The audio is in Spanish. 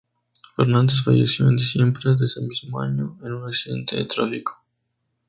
Fernández falleció en diciembre de ese mismo año en un accidente de tráfico.